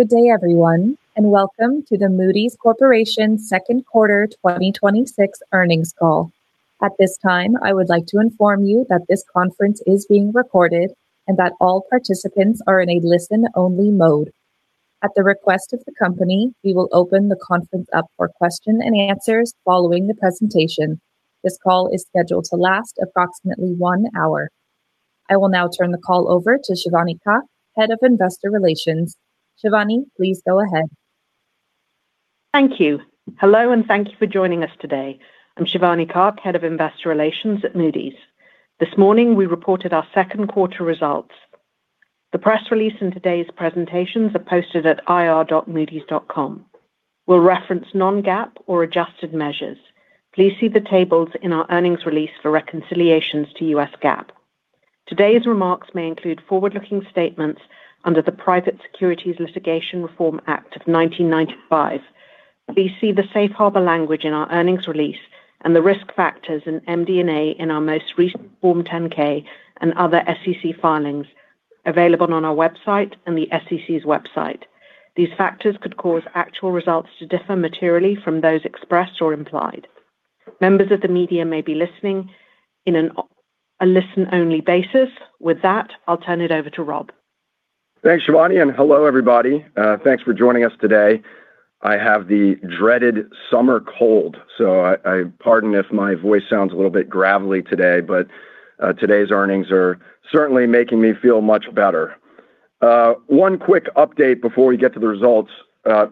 Good day, everyone, welcome to the Moody's Corporation Second Quarter 2026 Earnings Call. At this time, I would like to inform you that this conference is being recorded, and that all participants are in a listen-only mode. At the request of the company, we will open the conference up for question and answers following the presentation. This call is scheduled to last approximately one hour. I will now turn the call over to Shivani Kak, Head of Investor Relations. Shivani, please go ahead. Thank you. Hello, thank you for joining us today. I'm Shivani Kak, Head of Investor Relations at Moody's. This morning, we reported our second quarter results. The press release and today's presentations are posted at ir.moodys.com. We'll reference non-GAAP or adjusted measures. Please see the tables in our earnings release for reconciliations to U.S. GAAP. Today's remarks may include forward-looking statements under the Private Securities Litigation Reform Act of 1995. Please see the safe harbor language in our earnings release and the risk factors in MD&A in our most recent Form 10-K and other SEC filings available on our website and the SEC's website. These factors could cause actual results to differ materially from those expressed or implied. Members of the media may be listening in a listen-only basis. With that, I'll turn it over to Rob. Thanks, Shivani, hello, everybody. Thanks for joining us today. I have the dreaded summer cold, so pardon if my voice sounds a little bit gravelly today, but today's earnings are certainly making me feel much better. One quick update before we get to the results.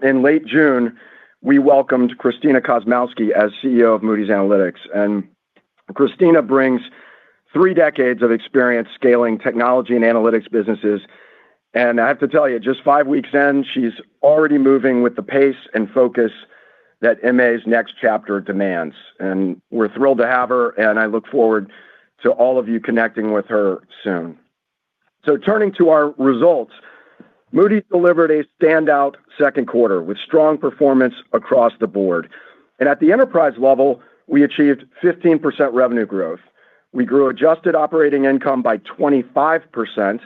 In late June, we welcomed Christina Kosmowski as CEO of Moody's Analytics, Christina brings three decades of experience scaling technology and analytics businesses. I have to tell you, just five weeks in, she's already moving with the pace and focus that MA's next chapter demands. We're thrilled to have her, and I look forward to all of you connecting with her soon. Turning to our results, Moody's delivered a standout second quarter with strong performance across the board. At the enterprise level, we achieved 15% revenue growth. We grew adjusted operating income by 25%,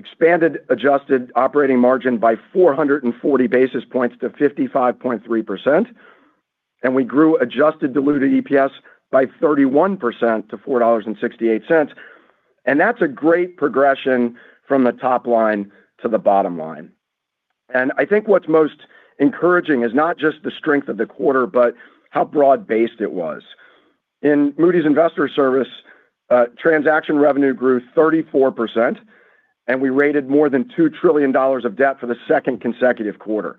expanded adjusted operating margin by 440 basis points to 55.3%, and we grew adjusted diluted EPS by 31% to $4.68. That's a great progression from the top line to the bottom line. I think what's most encouraging is not just the strength of the quarter, but how broad-based it was. In Moody's Investor Service, transaction revenue grew 34%, and we rated more than $2 trillion of debt for the second consecutive quarter.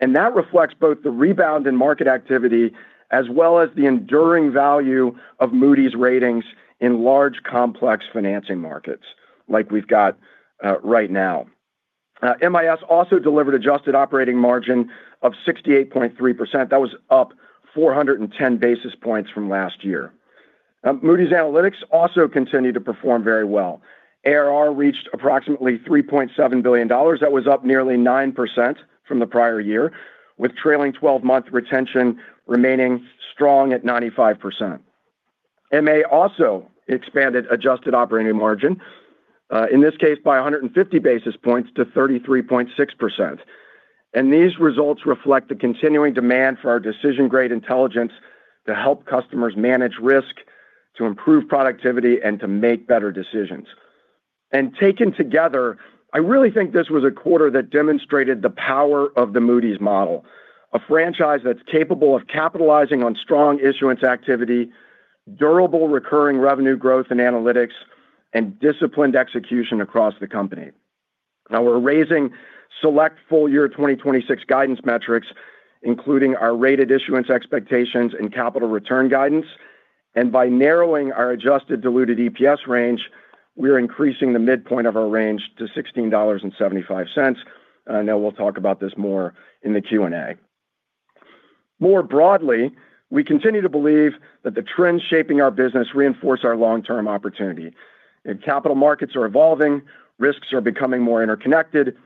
That reflects both the rebound in market activity as well as the enduring value of Moody's ratings in large, complex financing markets like we've got right now. MIS also delivered adjusted operating margin of 68.3%. That was up 410 basis points from last year. Moody's Analytics also continued to perform very well. ARR reached approximately $3.7 billion. That was up nearly 9% from the prior year, with trailing 12-month retention remaining strong at 95%. MA also expanded adjusted operating margin, in this case by 150 basis points to 33.6%. These results reflect the continuing demand for our decision-grade intelligence to help customers manage risk, to improve productivity, and to make better decisions. Taken together, I really think this was a quarter that demonstrated the power of the Moody's model, a franchise that's capable of capitalizing on strong issuance activity, durable recurring revenue growth in analytics, and disciplined execution across the company. Now we're raising select full-year 2026 guidance metrics, including our rated issuance expectations and capital return guidance. By narrowing our adjusted diluted EPS range, we're increasing the midpoint of our range to $16.75. I know we'll talk about this more in the Q&A. More broadly, we continue to believe that the trends shaping our business reinforce our long-term opportunity. Capital markets are evolving, risks are becoming more interconnected,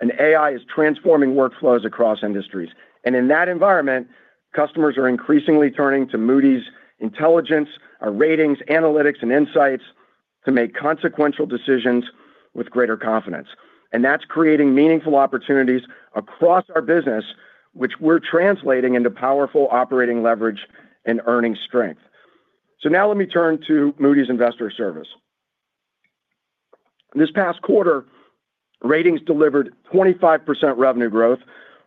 and AI is transforming workflows across industries. In that environment, customers are increasingly turning to Moody's intelligence, our ratings, analytics, and insights to make consequential decisions with greater confidence, and that's creating meaningful opportunities across our business, which we're translating into powerful operating leverage and earning strength. Now let me turn to Moody's Investor Service. This past quarter, Ratings delivered 25% revenue growth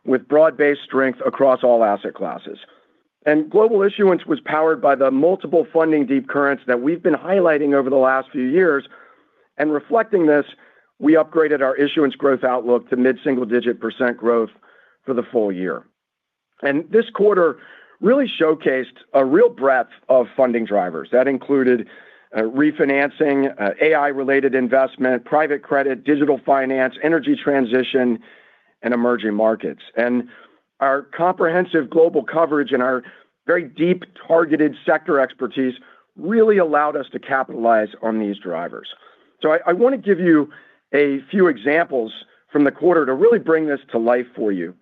with broad-based strength across all asset classes. Global issuance was powered by the multiple funding deep currents that we've been highlighting over the last few years. Reflecting this, we upgraded our issuance growth outlook to mid-single digit percent growth for the full year. This quarter really showcased a real breadth of funding drivers that included refinancing, AI-related investment, private credit, digital finance, energy transition, and emerging markets. Our comprehensive global coverage and our very deep targeted sector expertise really allowed us to capitalize on these drivers. I want to give you a few examples from the quarter to really bring this to life for you.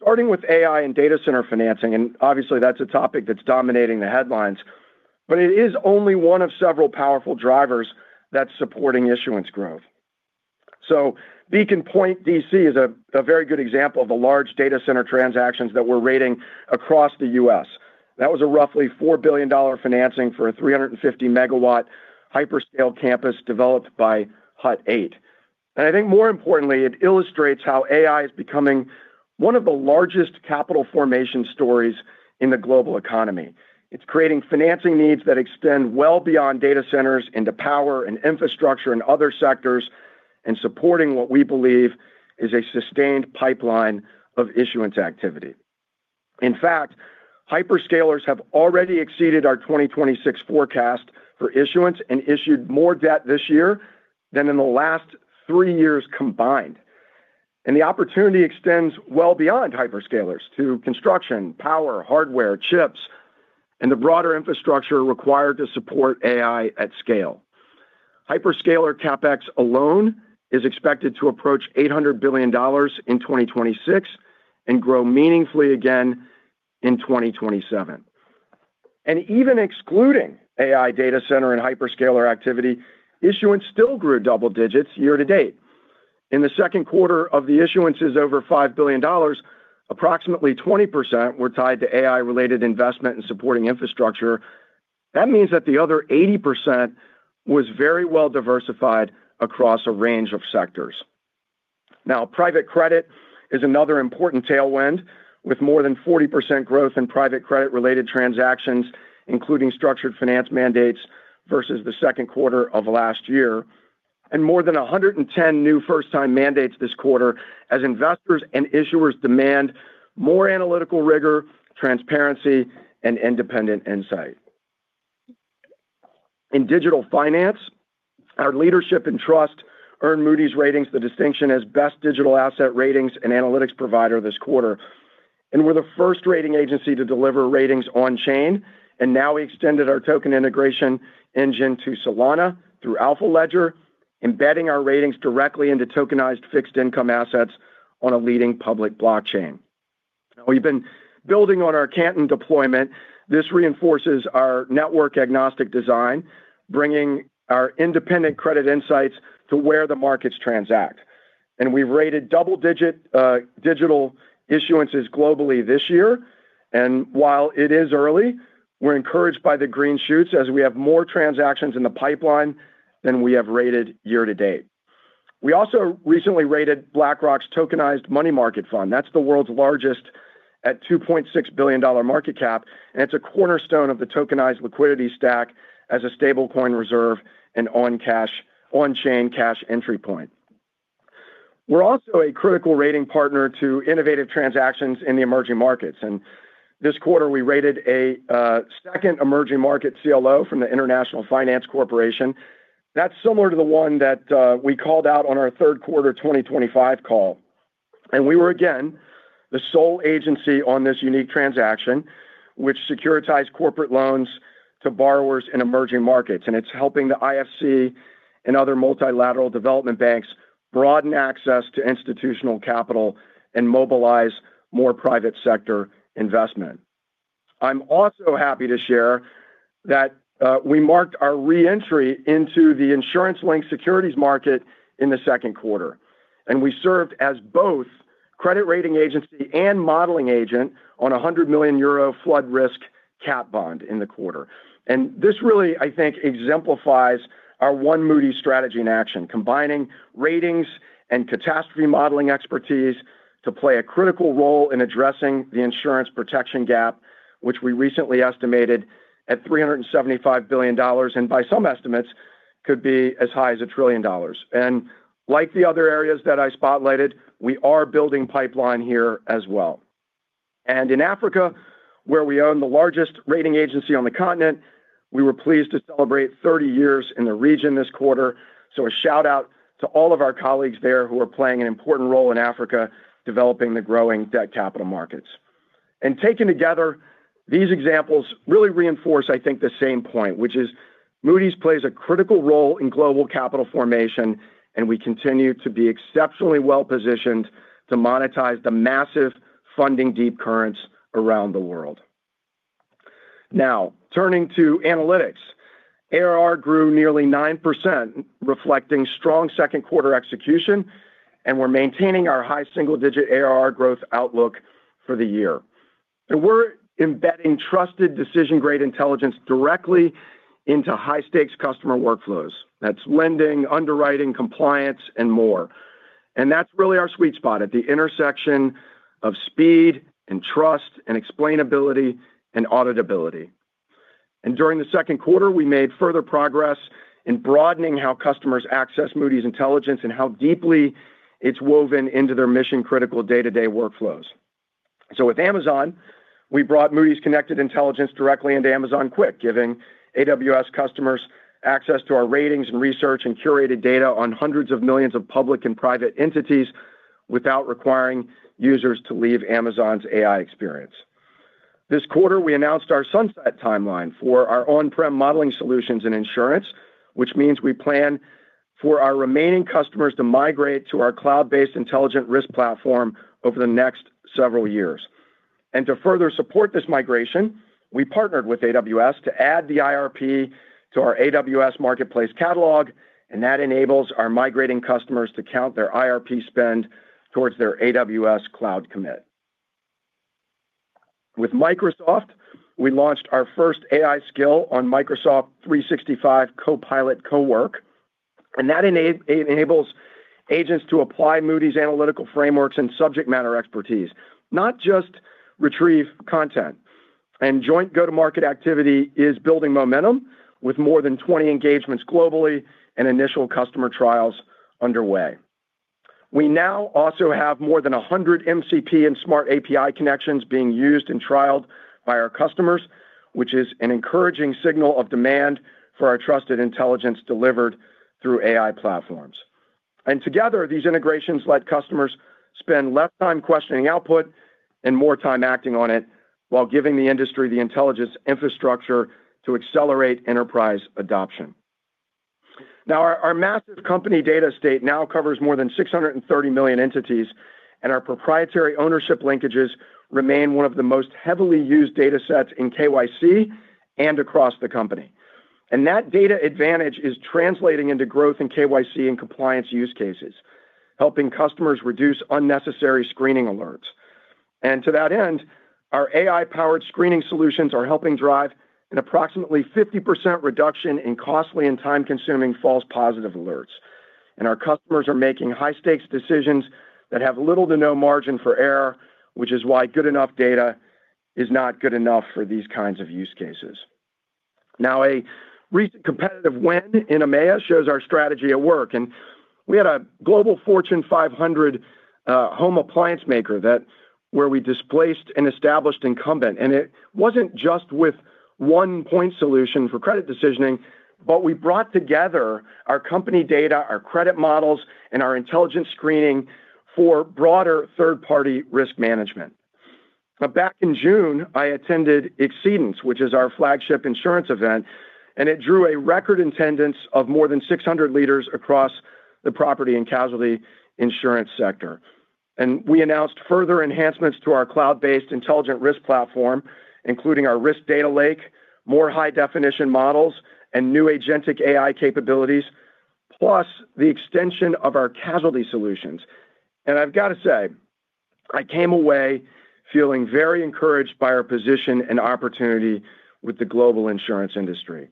Starting with AI and data center financing, obviously that's a topic that's dominating the headlines. It is only one of several powerful drivers that's supporting issuance growth. Beacon Point DC is a very good example of the large data center transactions that we're rating across the U.S. That was a roughly $4 billion financing for a 350 MW hyperscale campus developed by Hut 8. I think more importantly, it illustrates how AI is becoming one of the largest capital formation stories in the global economy. It's creating financing needs that extend well beyond data centers into power and infrastructure and other sectors, and supporting what we believe is a sustained pipeline of issuance activity. In fact, hyperscalers have already exceeded our 2026 forecast for issuance and issued more debt this year than in the last three years combined. The opportunity extends well beyond hyperscalers to construction, power, hardware, chips, and the broader infrastructure required to support AI at scale. Hyperscaler CapEx alone is expected to approach $800 billion in 2026 and grow meaningfully again in 2027. Even excluding AI data center and hyperscaler activity, issuance still grew double digits year to date. In the second quarter of the issuances over $5 billion, approximately 20% were tied to AI-related investment in supporting infrastructure. That means that the other 80% was very well diversified across a range of sectors. Private credit is another important tailwind, with more than 40% growth in private credit-related transactions, including structured finance mandates versus the second quarter of last year, and more than 110 new first-time mandates this quarter as investors and issuers demand more analytical rigor, transparency, and independent insight. In digital finance, our leadership and trust earned Moody's Ratings the distinction as Best Digital Asset Ratings and Analytics Provider this quarter. We're the first rating agency to deliver ratings on-chain, and now we extended our token integration engine to Solana through Alphaledger, embedding our ratings directly into tokenized fixed income assets on a leading public blockchain. We've been building on our Canton deployment. This reinforces our network-agnostic design, bringing our independent credit insights to where the markets transact. We've rated double-digit digital issuances globally this year. While it is early, we're encouraged by the green shoots as we have more transactions in the pipeline than we have rated year to date. We also recently rated BlackRock's tokenized money market fund. That's the world's largest at $2.6 billion market cap, and it's a cornerstone of the tokenized liquidity stack as a stablecoin reserve and on-chain cash entry point. We're also a critical rating partner to innovative transactions in the emerging markets. This quarter, we rated a second emerging market CLO from the International Finance Corporation. That's similar to the one that we called out on our third quarter 2025 call. We were again, the sole agency on this unique transaction, which securitized corporate loans to borrowers in emerging markets. It's helping the IFC and other multilateral development banks broaden access to institutional capital and mobilize more private sector investment. I'm also happy to share that we marked our re-entry into the insurance-linked securities market in the second quarter, and we served as both credit rating agency and modeling agent on a 100 million euro flood risk cat bond in the quarter. This really, I think, exemplifies our One Moody's strategy in action, combining ratings and catastrophe modeling expertise to play a critical role in addressing the insurance protection gap, which we recently estimated at $375 billion, and by some estimates, could be as high as a trillion dollars. Like the other areas that I spotlighted, we are building pipeline here as well. In Africa, where we own the largest rating agency on the continent, we were pleased to celebrate 30 years in the region this quarter. A shout-out to all of our colleagues there who are playing an important role in Africa, developing the growing debt capital markets. Taken together, these examples really reinforce, I think, the same point, which is Moody's plays a critical role in global capital formation, and we continue to be exceptionally well-positioned to monetize the massive funding deep currents around the world. Turning to Analytics. ARR grew nearly 9%, reflecting strong second quarter execution, and we're maintaining our high single-digit ARR growth outlook for the year. We're embedding trusted decision-grade intelligence directly into high-stakes customer workflows. That's lending, underwriting, compliance, and more. That's really our sweet spot, at the intersection of speed and trust and explainability and auditability. During the second quarter, we made further progress in broadening how customers access Moody's intelligence and how deeply it's woven into their mission-critical day-to-day workflows. With Amazon, we brought Moody's Connected Intelligence directly into Amazon Quick, giving AWS customers access to our ratings and research and curated data on hundreds of millions of public and private entities without requiring users to leave Amazon's AI experience. This quarter, we announced our sunset timeline for our on-prem modeling solutions and insurance, which means we plan for our remaining customers to migrate to our cloud-based Intelligent Risk Platform over the next several years. To further support this migration, we partnered with AWS to add the IRP to our AWS Marketplace catalog, and that enables our migrating customers to count their IRP spend towards their AWS cloud commit. With Microsoft, we launched our first AI skill on Microsoft 365 Copilot Cowork, and that enables agents to apply Moody's analytical frameworks and subject matter expertise, not just retrieve content. Joint go-to-market activity is building momentum with more than 20 engagements globally and initial customer trials underway. We now also have more than 100 MCP and Smart API connections being used and trialed by our customers, which is an encouraging signal of demand for our trusted intelligence delivered through AI platforms. Together, these integrations let customers spend less time questioning output and more time acting on it while giving the industry the intelligence infrastructure to accelerate enterprise adoption. Our massive company data estate now covers more than 630 million entities, and our proprietary ownership linkages remain one of the most heavily used data sets in KYC and across the company. That data advantage is translating into growth in KYC and compliance use cases, helping customers reduce unnecessary screening alerts. To that end, our AI-powered screening solutions are helping drive an approximately 50% reduction in costly and time-consuming false positive alerts. Our customers are making high-stakes decisions that have little to no margin for error, which is why good enough data is not good enough for these kinds of use cases. A recent competitive win in EMEA shows our strategy at work, and we had a Global Fortune 500 home appliance maker where we displaced an established incumbent. It wasn't just with one point solution for credit decisioning, but we brought together our company data, our credit models, and our intelligence screening for broader third-party risk management. Back in June, I attended Exceedance, which is our flagship insurance event, and it drew a record attendance of more than 600 leaders across the property and casualty insurance sector. We announced further enhancements to our cloud-based Intelligent Risk Platform, including our Risk Data Lake, more high-definition models, and new agentic AI capabilities, plus the extension of our casualty solutions. I've got to say, I came away feeling very encouraged by our position and opportunity with the global insurance industry.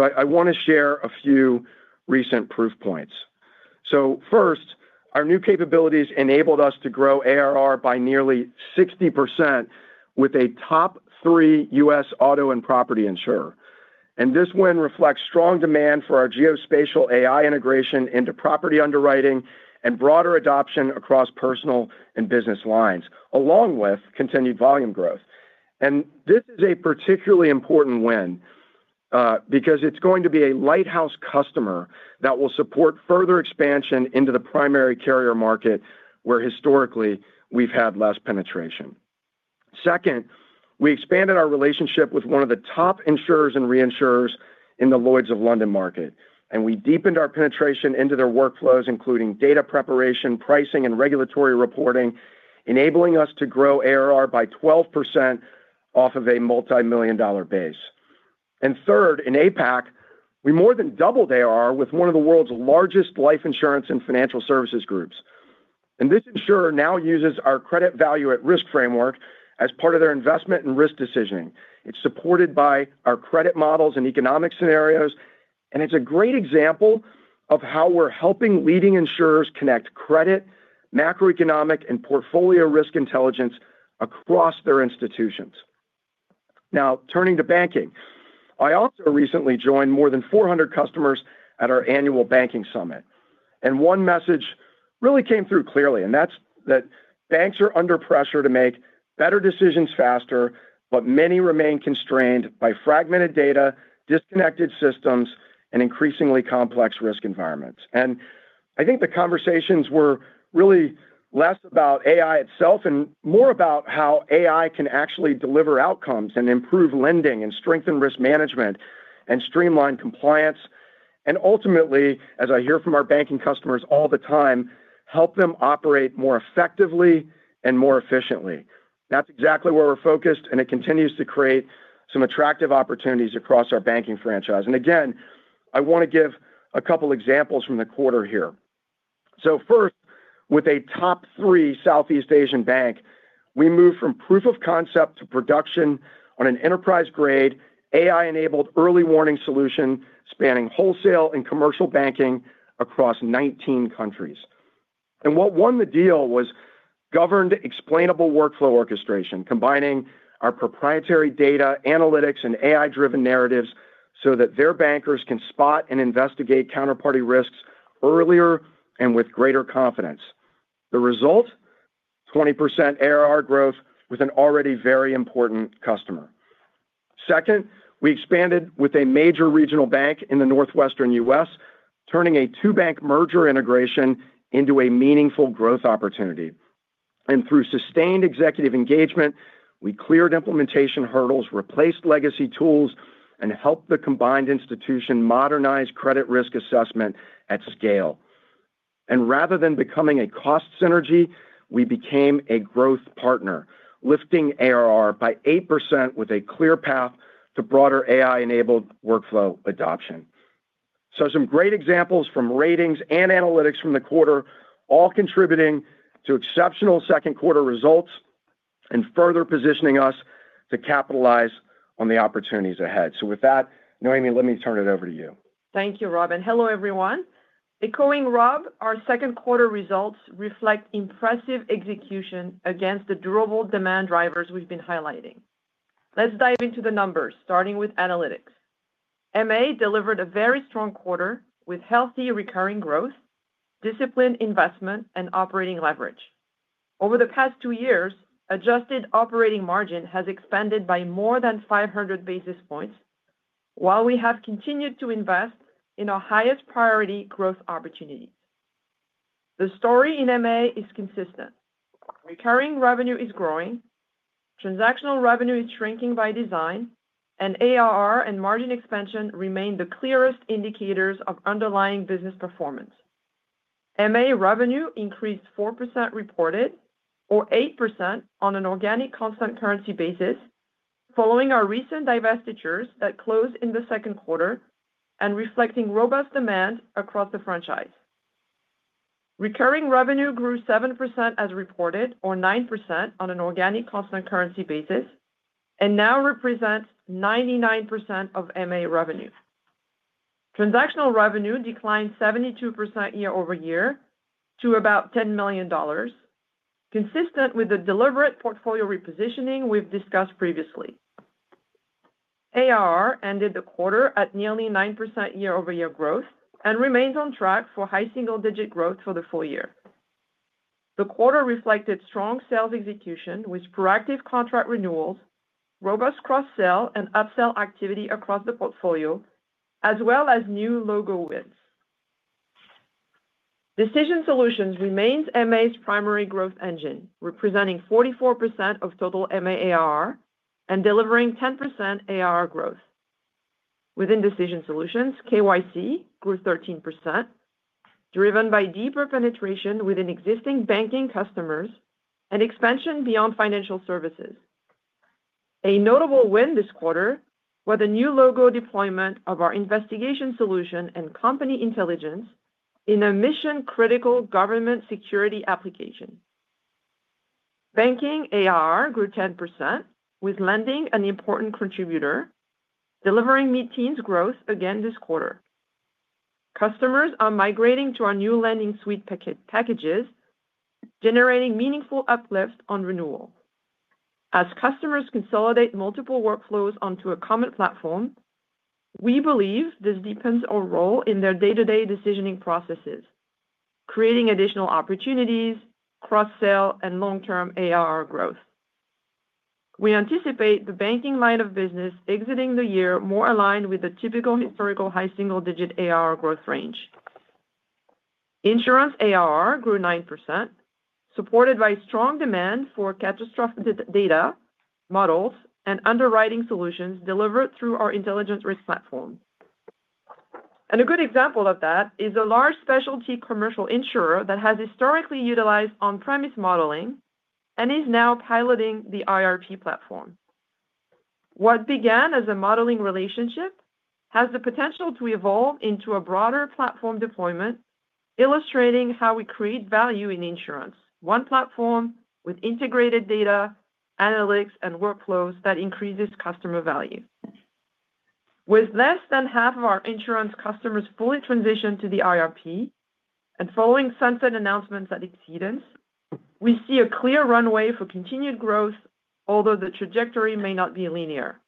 I want to share a few recent proof points. First, our new capabilities enabled us to grow ARR by nearly 60% with a top three U.S. auto and property insurer. This win reflects strong demand for our geospatial AI integration into property underwriting and broader adoption across personal and business lines, along with continued volume growth. This is a particularly important win because it's going to be a lighthouse customer that will support further expansion into the primary carrier market, where historically we've had less penetration. Second, we expanded our relationship with one of the top insurers and reinsurers in the Lloyd's of London market, and we deepened our penetration into their workflows, including data preparation, pricing, and regulatory reporting, enabling us to grow ARR by 12% off of a multimillion-dollar base. Third, in APAC, we more than doubled ARR with one of the world's largest life insurance and financial services groups. This insurer now uses our credit value at risk framework as part of their investment and risk decisioning. It's supported by our credit models and economic scenarios, and it's a great example of how we're helping leading insurers connect credit, macroeconomic, and portfolio risk intelligence across their institutions. Now, turning to banking. I also recently joined more than 400 customers at our annual banking summit, and one message really came through clearly, and that's that banks are under pressure to make better decisions faster, but many remain constrained by fragmented data, disconnected systems, and increasingly complex risk environments. I think the conversations were really less about AI itself and more about how AI can actually deliver outcomes and improve lending and strengthen risk management and streamline compliance, and ultimately, as I hear from our banking customers all the time, help them operate more effectively and more efficiently. That's exactly where we're focused, and it continues to create some attractive opportunities across our banking franchise. Again, I want to give a couple examples from the quarter here. First, with a top three Southeast Asian bank, we moved from proof of concept to production on an enterprise-grade, AI-enabled early warning solution spanning wholesale and commercial banking across 19 countries. What won the deal was governed explainable workflow orchestration, combining our proprietary data analytics and AI-driven narratives so that their bankers can spot and investigate counterparty risks earlier and with greater confidence. The result, 20% ARR growth with an already very important customer. Second, we expanded with a major regional bank in the Northwestern U.S., turning a two-bank merger integration into a meaningful growth opportunity. Through sustained executive engagement, we cleared implementation hurdles, replaced legacy tools, and helped the combined institution modernize credit risk assessment at scale. Rather than becoming a cost synergy, we became a growth partner, lifting ARR by 8% with a clear path to broader AI-enabled workflow adoption. Some great examples from ratings and analytics from the quarter, all contributing to exceptional second quarter results and further positioning us to capitalize on the opportunities ahead. With that, Noémie, let me turn it over to you. Thank you, Rob, and hello, everyone. Echoing Rob, our second quarter results reflect impressive execution against the durable demand drivers we've been highlighting. Let's dive into the numbers, starting with analytics. MA delivered a very strong quarter with healthy recurring growth, disciplined investment, and operating leverage. Over the past two years, adjusted operating margin has expanded by more than 500 basis points, while we have continued to invest in our highest priority growth opportunities. The story in MA is consistent. Recurring revenue is growing, transactional revenue is shrinking by design, and ARR and margin expansion remain the clearest indicators of underlying business performance. MA revenue increased 4% reported, or 8% on an organic constant currency basis, following our recent divestitures that closed in the second quarter and reflecting robust demand across the franchise. Recurring revenue grew 7% as reported, or 9% on an organic constant currency basis, and now represents 99% of MA revenue. Transactional revenue declined 72% year-over-year to about $10 million, consistent with the deliberate portfolio repositioning we've discussed previously. ARR ended the quarter at nearly 9% year-over-year growth and remains on track for high single-digit growth for the full year. The quarter reflected strong sales execution with proactive contract renewals, robust cross-sell, and upsell activity across the portfolio, as well as new logo wins. Decision Solutions remains MA's primary growth engine, representing 44% of total MA ARR and delivering 10% ARR growth. Within Decision Solutions, KYC grew 13%, driven by deeper penetration within existing banking customers and expansion beyond financial services. A notable win this quarter was a new logo deployment of our investigation solution and company intelligence in a mission-critical government security application. Banking ARR grew 10%, with lending an important contributor, delivering mid-teens growth again this quarter. Customers are migrating to our new Lending Suite packages, generating meaningful uplift on renewal. As customers consolidate multiple workflows onto a common platform, we believe this deepens our role in their day-to-day decisioning processes, creating additional opportunities, cross-sell, and long-term ARR growth. We anticipate the banking line of business exiting the year more aligned with the typical historical high single-digit ARR growth range. Insurance ARR grew 9%, supported by strong demand for catastrophic data models and underwriting solutions delivered through our Intelligent Risk Platform. A good example of that is a large specialty commercial insurer that has historically utilized on-premise modeling and is now piloting the IRP platform. What began as a modeling relationship has the potential to evolve into a broader platform deployment, illustrating how we create value in insurance. One platform with integrated data, analytics, and workflows that increases customer value. With less than half of our insurance customers fully transitioned to the IRP, following sunset announcements at Exceedance, we see a clear runway for continued growth, although the trajectory may not be linear.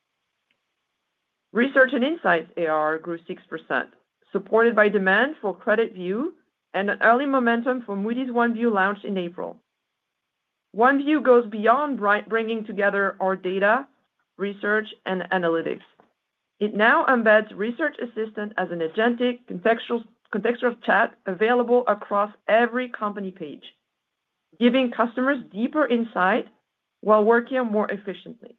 Research and Insights ARR grew 6%, supported by demand for CreditView and early momentum for Moody's OneView launch in April. OneView goes beyond bringing together our data, research, and analytics. It now embeds Research Assistant as an agentic contextual chat available across every company page, giving customers deeper insight while working more efficiently.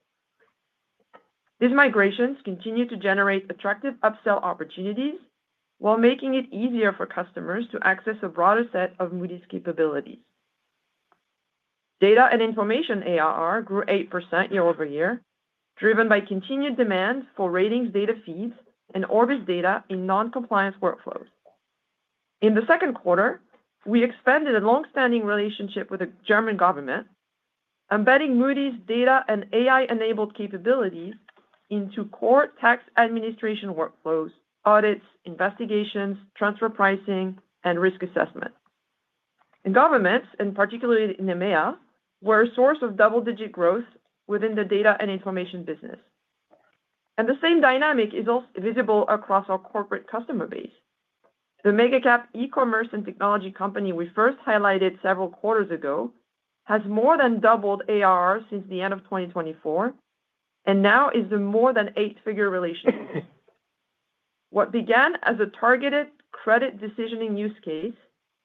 These migrations continue to generate attractive upsell opportunities while making it easier for customers to access a broader set of Moody's capabilities. Data and Information ARR grew 8% year-over-year, driven by continued demand for ratings data feeds and Orbis data in non-compliance workflows. In the second quarter, we expanded a long-standing relationship with the German government, embedding Moody's data and AI-enabled capabilities into core tax administration workflows, audits, investigations, transfer pricing, and risk assessment. In governments, and particularly in EMEA, we're a source of double-digit growth within the Data and Information business. The same dynamic is also visible across our corporate customer base. The mega-cap e-commerce and technology company we first highlighted several quarters ago has more than doubled ARR since the end of 2024 and now is a more than eight-figure relationship. What began as a targeted credit decisioning use case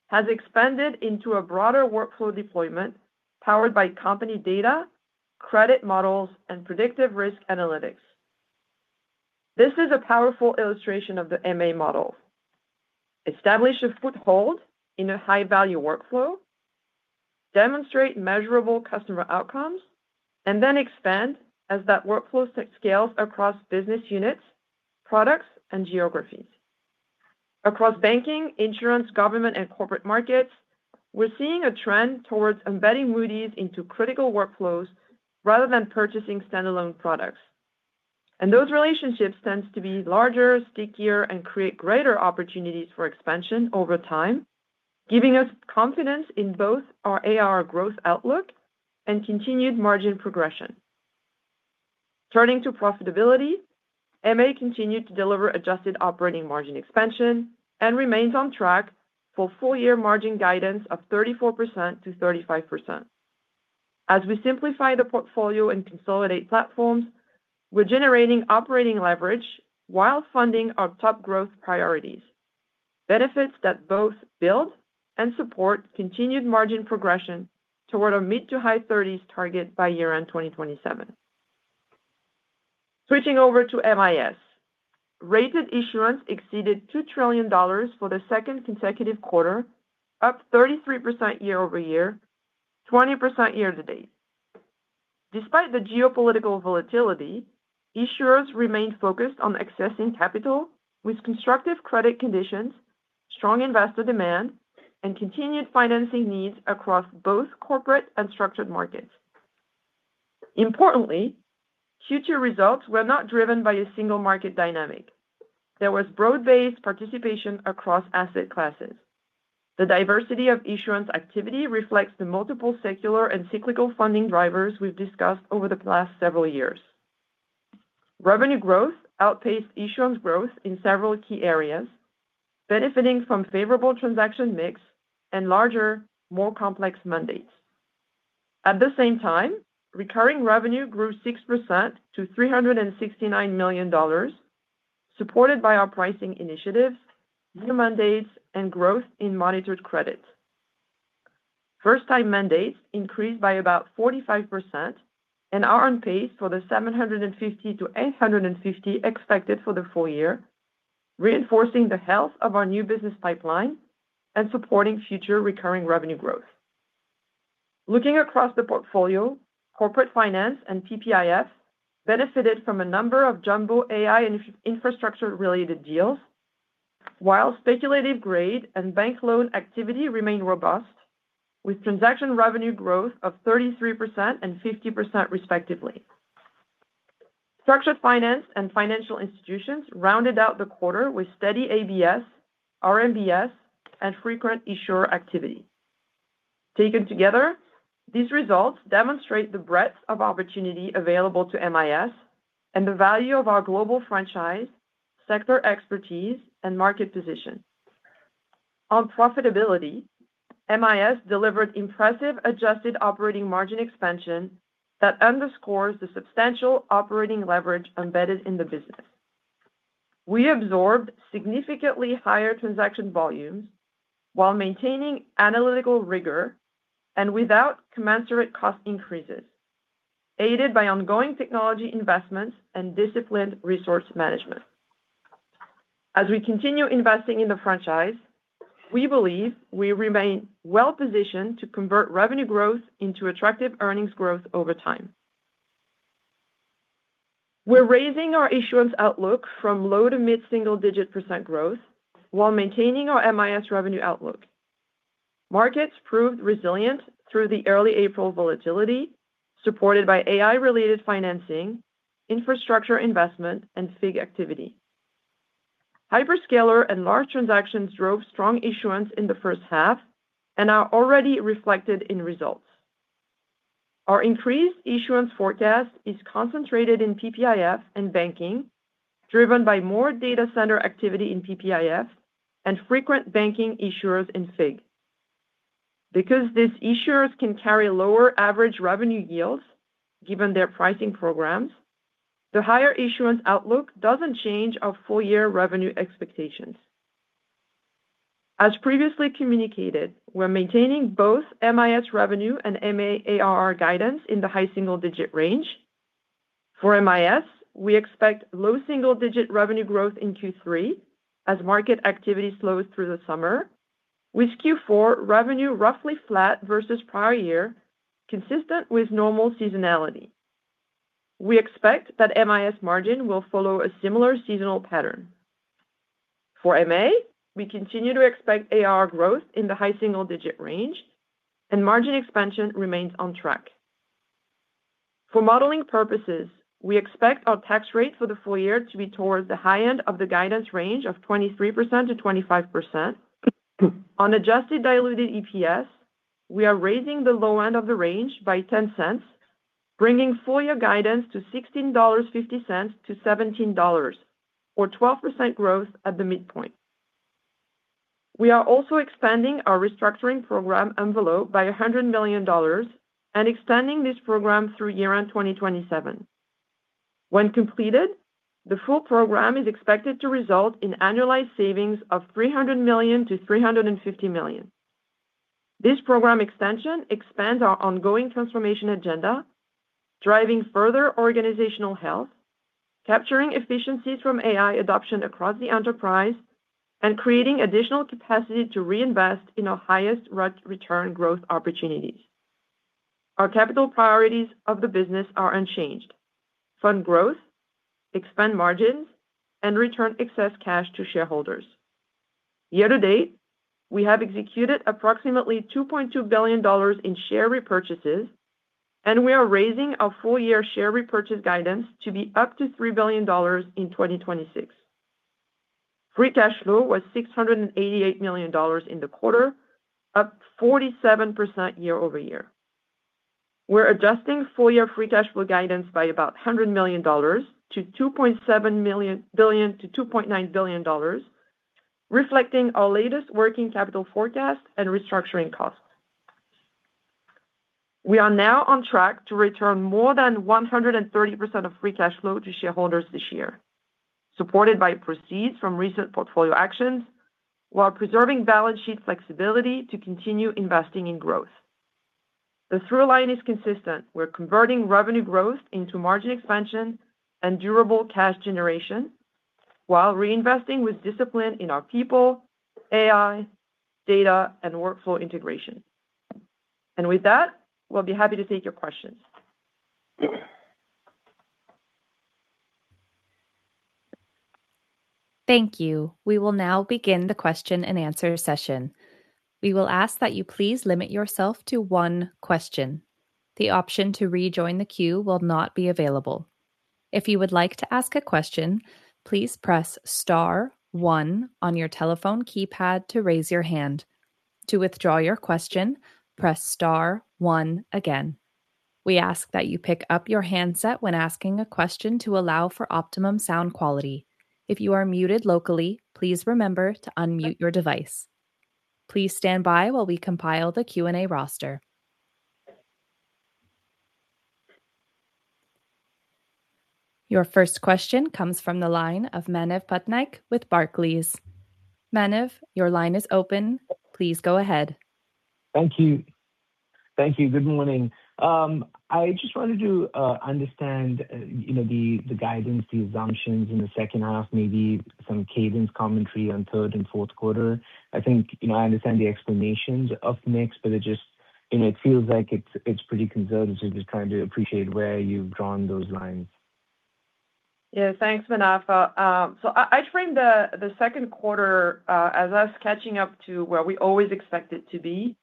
has expanded into a broader workflow deployment powered by company data, credit models, and predictive risk analytics. This is a powerful illustration of the MA model. Establish a foothold in a high-value workflow, demonstrate measurable customer outcomes, and then expand as that workflow scales across business units, products, and geographies. Across banking, insurance, government, and corporate markets, we're seeing a trend towards embedding Moody's into critical workflows rather than purchasing standalone products. Those relationships tend to be larger, stickier, and create greater opportunities for expansion over time, giving us confidence in both our AR growth outlook and continued margin progression. Turning to profitability, MA continued to deliver adjusted operating margin expansion and remains on track for full-year margin guidance of 34%-35%. As we simplify the portfolio and consolidate platforms, we're generating operating leverage while funding our top growth priorities, benefits that both build and support continued margin progression toward a mid to high 30s target by year-end 2027. Switching over to MIS. Rated issuance exceeded $2 trillion for the second consecutive quarter, up 33% year-over-year, 20% year-to-date. Despite the geopolitical volatility, issuers remained focused on accessing capital with constructive credit conditions, strong investor demand, and continued financing needs across both corporate and structured markets. Importantly, Q2 results were not driven by a single market dynamic. There was broad-based participation across asset classes. The diversity of issuance activity reflects the multiple secular and cyclical funding drivers we've discussed over the past several years. Revenue growth outpaced issuance growth in several key areas, benefiting from favorable transaction mix and larger, more complex mandates. At the same time, recurring revenue grew 6% to $369 million, supported by our pricing initiatives, new mandates, and growth in monitored credit. First-time mandates increased by about 45% and are on pace for the 750-850 expected for the full year, reinforcing the health of our new business pipeline and supporting future recurring revenue growth. Looking across the portfolio, corporate finance and PPIF benefited from a number of jumbo AI and infrastructure-related deals, while speculative grade and bank loan activity remained robust, with transaction revenue growth of 33% and 50% respectively. Structured finance and financial institutions rounded out the quarter with steady ABS, RMBS, and frequent issuer activity. Taken together, these results demonstrate the breadth of opportunity available to MIS and the value of our global franchise, sector expertise, and market position. On profitability, MIS delivered impressive adjusted operating margin expansion that underscores the substantial operating leverage embedded in the business. We absorbed significantly higher transaction volumes while maintaining analytical rigor and without commensurate cost increases, aided by ongoing technology investments and disciplined resource management. As we continue investing in the franchise, we believe we remain well positioned to convert revenue growth into attractive earnings growth over time. We're raising our issuance outlook from low to mid-single-digit percent growth while maintaining our MIS revenue outlook. Markets proved resilient through the early April volatility, supported by AI-related financing, infrastructure investment, and FIG activity. Hyperscaler and large transactions drove strong issuance in the first half and are already reflected in results. Our increased issuance forecast is concentrated in PPIF and banking, driven by more data center activity in PPIF and frequent banking issuers in FIG. Because these issuers can carry lower average revenue yields given their pricing programs, the higher issuance outlook doesn't change our full-year revenue expectations. As previously communicated, we're maintaining both MIS revenue and MA ARR guidance in the high single-digit range. For MIS, we expect low single-digit revenue growth in Q3 as market activity slows through the summer, with Q4 revenue roughly flat versus prior year, consistent with normal seasonality. We expect that MIS margin will follow a similar seasonal pattern. For MA, we continue to expect ARR growth in the high single-digit range and margin expansion remains on track. For modeling purposes, we expect our tax rate for the full year to be towards the high end of the guidance range of 23%-25%. On adjusted diluted EPS, we are raising the low end of the range by $0.10, bringing full-year guidance to $16.50-$17, or 12% growth at the midpoint. We are also expanding our restructuring program envelope by $100 million and extending this program through year-end 2027. When completed, the full program is expected to result in annualized savings of $300 million-$350 million. This program extension expands our ongoing transformation agenda, driving further organizational health, capturing efficiencies from AI adoption across the enterprise, and creating additional capacity to reinvest in our highest return growth opportunities. Our capital priorities of the business are unchanged: fund growth, expand margins, and return excess cash to shareholders. Year-to-date, we have executed approximately $2.2 billion in share repurchases, we are raising our full-year share repurchase guidance to be up to $3 billion in 2026. Free cash flow was $688 million in the quarter, up 47% year-over-year. We're adjusting full-year free cash flow guidance by about $100 million to $2.7 billion-$2.9 billion, reflecting our latest working capital forecast and restructuring costs. We are now on track to return more than 130% of free cash flow to shareholders this year, supported by proceeds from recent portfolio actions, while preserving balance sheet flexibility to continue investing in growth. The through line is consistent. We're converting revenue growth into margin expansion and durable cash generation while reinvesting with discipline in our people, AI, data, and workflow integration. With that, we'll be happy to take your questions. Thank you. We will now begin the question and answer session. We will ask that you please limit yourself to one question. The option to rejoin the queue will not be available. If you would like to ask a question, please press star one on your telephone keypad to raise your hand. To withdraw your question, press star one again. We ask that you pick up your handset when asking a question to allow for optimum sound quality. If you are muted locally, please remember to unmute your device. Please stand by while we compile the Q&A roster. Your first question comes from the line of Manav Patnaik with Barclays. Manav, your line is open. Please go ahead. Thank you. Good morning. I just wanted to understand the guidance, the assumptions in the second half, maybe some cadence commentary on third and fourth quarter. I think I understand the explanations of the mix, it feels like it's pretty conservative. Just trying to appreciate where you've drawn those lines. Yeah. Thanks, Manav. I frame the second quarter as us catching up to where we always expected to be,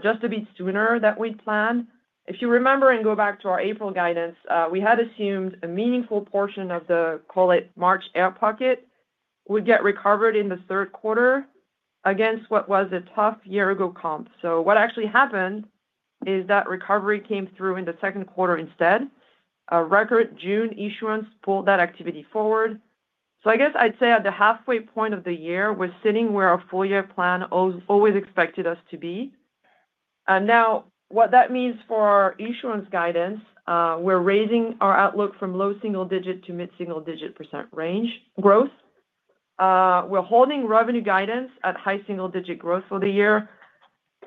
just a bit sooner than we'd planned. If you remember and go back to our April guidance, we had assumed a meaningful portion of the, call it March air pocket, would get recovered in the third quarter against what was a tough year-ago comp. What actually happened is that recovery came through in the second quarter instead. A record June issuance pulled that activity forward. I guess I'd say at the halfway point of the year, we're sitting where our full-year plan always expected us to be. Now, what that means for our issuance guidance, we're raising our outlook from low single-digit to mid single-digit percent range growth. We're holding revenue guidance at high single-digit growth for the year.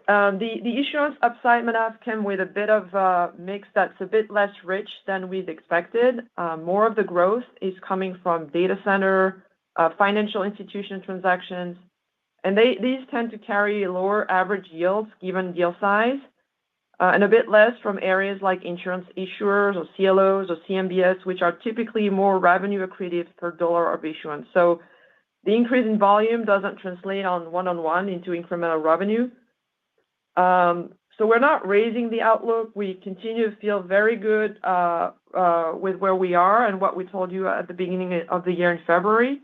The issuance upside, Manav, came with a bit of a mix that's a bit less rich than we'd expected. More of the growth is coming from data center, financial institution transactions, and these tend to carry lower average yields, given deal size, and a bit less from areas like insurance issuers or CLOs or CMBS, which are typically more revenue accretive per dollar of issuance. The increase in volume doesn't translate one-on-one into incremental revenue. We're not raising the outlook. We continue to feel very good with where we are and what we told you at the beginning of the year in February.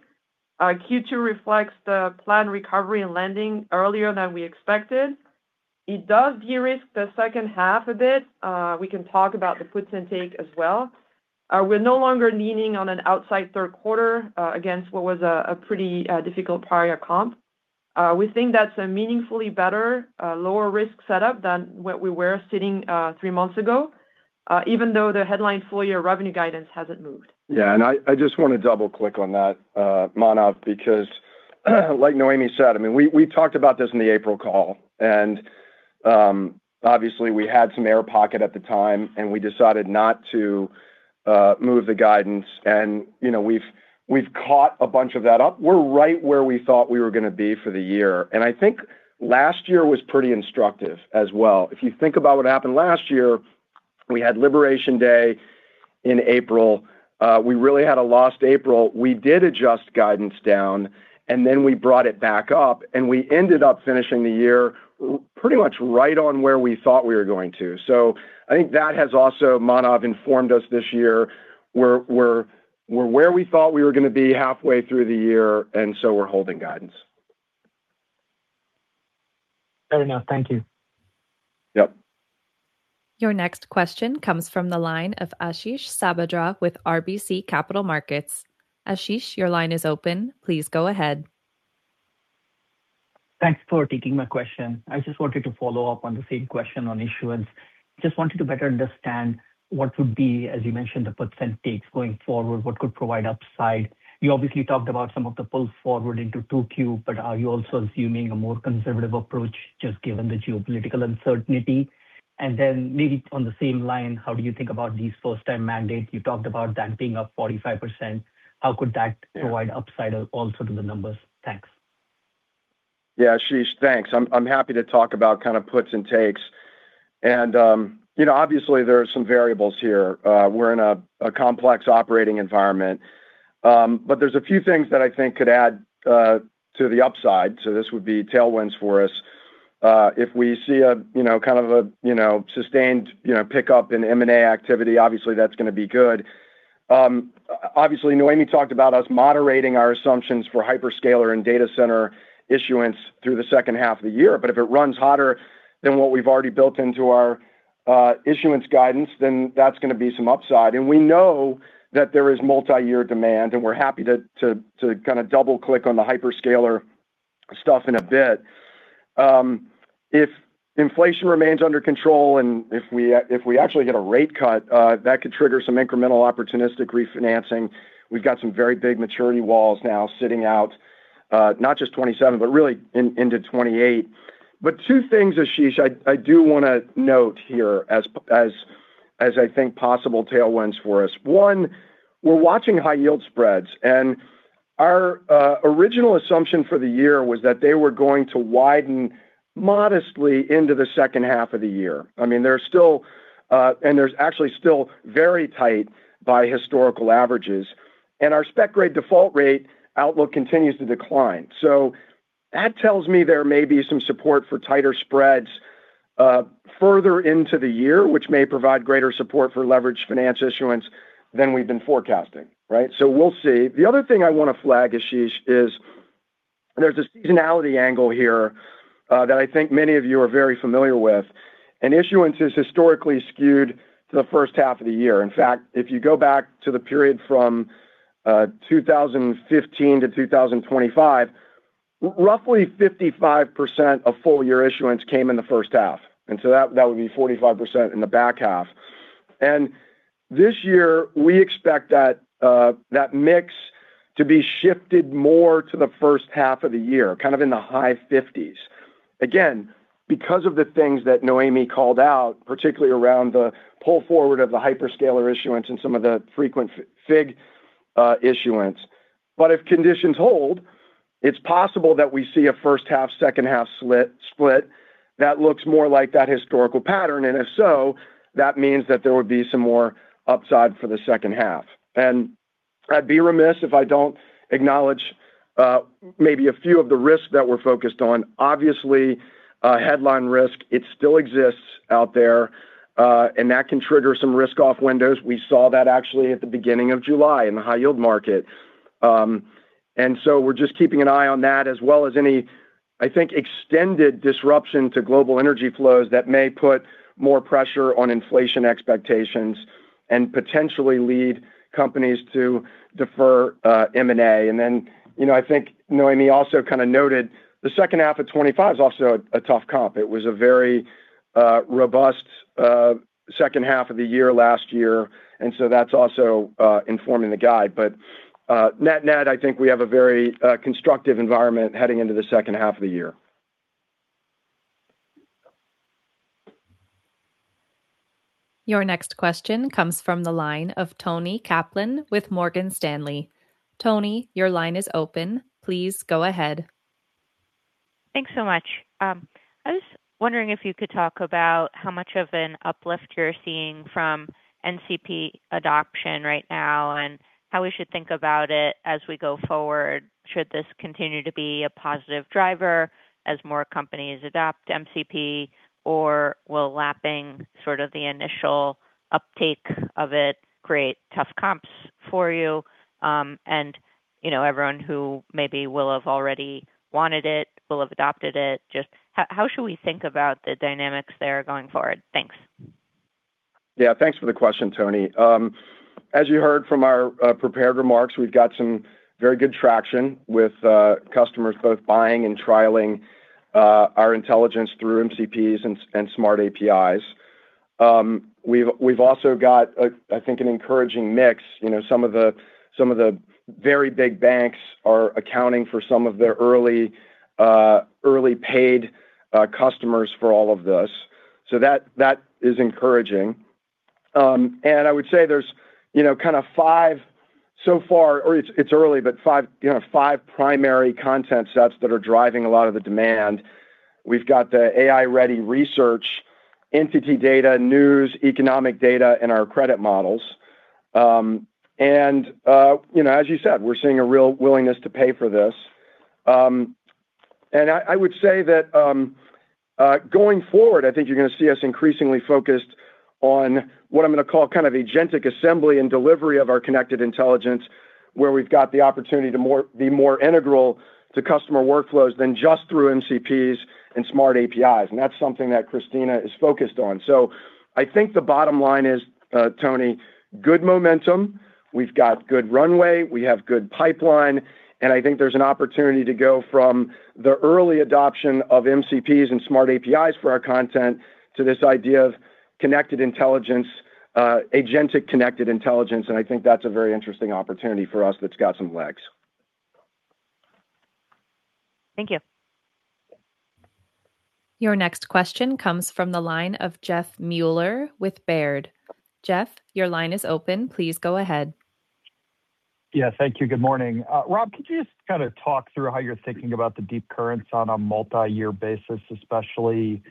Q2 reflects the planned recovery in lending earlier than we expected. It does de-risk the second half a bit. We can talk about the puts and takes as well. We're no longer leaning on an outside third quarter against what was a pretty difficult prior comp. We think that's a meaningfully better lower risk setup than what we were sitting three months ago, even though the headline full-year revenue guidance hasn't moved. Yeah, I just want to double click on that, Manav, because like Noémie said, we talked about this in the April call, obviously we had some air pocket at the time, we decided not to move the guidance. We've caught a bunch of that up. We're right where we thought we were going to be for the year. I think last year was pretty instructive as well. If you think about what happened last year, we had Liberation Day in April. We really had a lost April. We did adjust guidance down, we brought it back up, we ended up finishing the year pretty much right on where we thought we were going to. I think that has also, Manav, informed us this year. We're where we thought we were going to be halfway through the year, we're holding guidance. Fair enough. Thank you. Yep. Your next question comes from the line of Ashish Sabadra with RBC Capital Markets. Ashish, your line is open. Please go ahead. Thanks for taking my question. I just wanted to follow up on the same question on issuance. Just wanted to better understand what would be, as you mentioned, the puts and takes going forward, what could provide upside. You obviously talked about some of the pulls forward into 2Q, but are you also assuming a more conservative approach, just given the geopolitical uncertainty? Then maybe on the same line, how do you think about these first-time mandates? You talked about that being up 45%. How could that provide upside also to the numbers? Thanks. Yeah, Ashish, thanks. I'm happy to talk about kind of puts and takes. Obviously, there are some variables here. We're in a complex operating environment. There's a few things that I think could add to the upside. This would be tailwinds for us. If we see a kind of a sustained pickup in M&A activity, obviously that's going to be good. Obviously, Noémie talked about us moderating our assumptions for hyperscaler and data center issuance through the second half of the year, but if it runs hotter than what we've already built into our issuance guidance, then that's going to be some upside. We know that there is multi-year demand, and we're happy to kind of double-click on the hyperscaler stuff in a bit. If inflation remains under control and if we actually get a rate cut, that could trigger some incremental opportunistic refinancing. We've got some very big maturity walls now sitting out, not just 2027, but really into 2028. Two things, Ashish, I do want to note here as I think possible tailwinds for us. One, we're watching high yield spreads, and our original assumption for the year was that they were going to widen modestly into the second half of the year. They're actually still very tight by historical averages. Our spec grade default rate outlook continues to decline. That tells me there may be some support for tighter spreads further into the year, which may provide greater support for leverage finance issuance than we've been forecasting. Right? We'll see. The other thing I want to flag, Ashish, is there's a seasonality angle here that I think many of you are very familiar with, and issuance is historically skewed to the first half of the year. In fact, if you go back to the period from 2015 to 2025, roughly 55% of full-year issuance came in the first half, that would be 45% in the back half. This year, we expect that mix to be shifted more to the first half of the year, kind of in the high 50s. Again, because of the things that Noémie called out, particularly around the pull forward of the hyperscaler issuance and some of the frequent FIG issuance. If conditions hold, it's possible that we see a first half, second half split that looks more like that historical pattern, if so, that means that there would be some more upside for the second half. I'd be remiss if I don't acknowledge maybe a few of the risks that we're focused on. Obviously, headline risk, it still exists out there, that can trigger some risk-off windows. We saw that actually at the beginning of July in the high-yield market. We're just keeping an eye on that as well as any, I think, extended disruption to global energy flows that may put more pressure on inflation expectations and potentially lead companies to defer M&A. Then, I think Noémie also kind of noted the second half of 2025 is also a tough comp. It was a very robust second half of the year last year, that's also informing the guide. Net-net, I think we have a very constructive environment heading into the second half of the year. Your next question comes from the line of Toni Kaplan with Morgan Stanley. Toni, your line is open. Please go ahead. Thanks so much. I was wondering if you could talk about how much of an uplift you're seeing from MCP adoption right now, how we should think about it as we go forward. Should this continue to be a positive driver as more companies adopt MCP, or will lapping sort of the initial uptake of it create tough comps for you? Everyone who maybe will have already wanted it will have adopted it. How should we think about the dynamics there going forward? Thanks. Thanks for the question, Toni. As you heard from our prepared remarks, we've got some very good traction with customers both buying and trialing our intelligence through MCPs and Smart APIs. We've also got, I think, an encouraging mix. Some of the very big banks are accounting for some of their early paid customers for all of this. That is encouraging. I would say there's kind of five so far, or it's early, but five primary content sets that are driving a lot of the demand. We've got the AI-ready research, entity data, news, economic data, and our credit models. As you said, we're seeing a real willingness to pay for this. I would say that going forward, I think you're going to see us increasingly focused on what I'm going to call agentic assembly and delivery of our Connected Intelligence, where we've got the opportunity to be more integral to customer workflows than just through MCPs and Smart APIs. That's something that Christina is focused on. I think the bottom line is, Toni, good momentum. We've got good runway, we have good pipeline, and I think there's an opportunity to go from the early adoption of MCPs and Smart APIs for our content to this idea of Connected Intelligence, agentic Connected Intelligence, I think that's a very interesting opportunity for us that's got some legs. Thank you. Your next question comes from the line of Jeff Meuler with Baird. Jeff, your line is open. Please go ahead. Yeah, thank you. Good morning. Rob, could you just kind of talk through how you're thinking about the deep currents on a multi-year basis, especially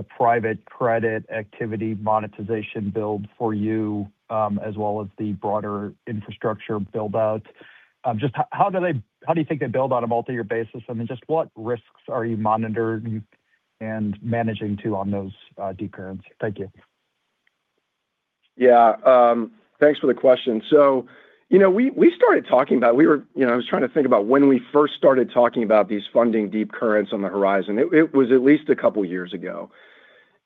the private credit activity monetization build for you, as well as the broader infrastructure build-out? Just how do you think they build on a multi-year basis? I mean, just what risks are you monitoring and managing too on those deep currents? Thank you. Yeah. Thanks for the question. I was trying to think about when we first started talking about these funding deep currents on the horizon. It was at least a couple of years ago.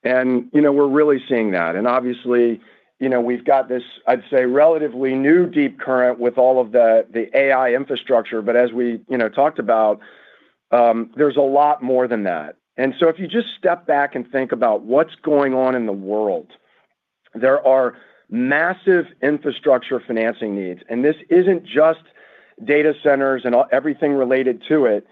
We're really seeing that. Obviously, we've got this, I'd say, relatively new deep current with all of the AI infrastructure. As we talked about, there's a lot more than that. If you just step back and think about what's going on in the world, there are massive infrastructure financing needs. This isn't just data centers and everything related to it,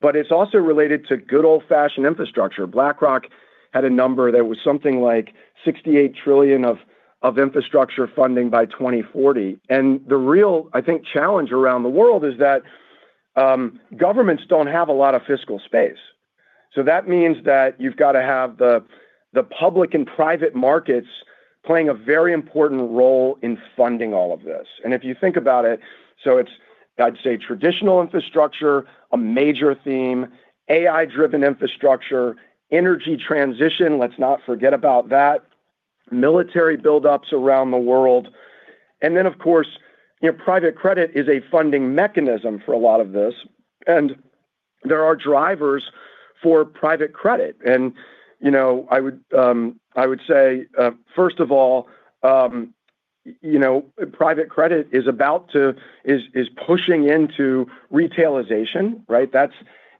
but it's also related to good old-fashioned infrastructure. BlackRock had a number that was something like 68 trillion of infrastructure funding by 2040. The real, I think, challenge around the world is that governments don't have a lot of fiscal space. That means that you've got to have the public and private markets playing a very important role in funding all of this. If you think about it, I'd say traditional infrastructure, a major theme, AI-driven infrastructure, energy transition, let's not forget about that, military buildups around the world, then, of course, private credit is a funding mechanism for a lot of this, and there are drivers for private credit. I would say, first of all, private credit is pushing into retailization,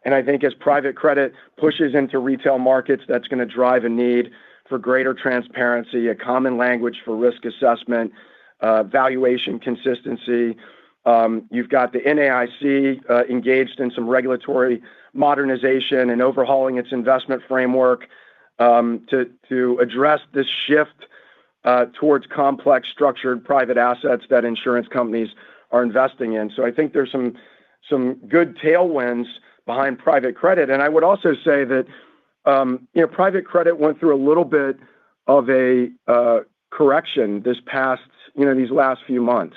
right? I think as private credit pushes into retail markets, that's going to drive a need for greater transparency, a common language for risk assessment, valuation consistency. You've got the NAIC engaged in some regulatory modernization and overhauling its investment framework to address this shift towards complex structured private assets that insurance companies are investing in. I think there's some good tailwinds behind private credit. I would also say that private credit went through a little bit of a correction these last few months.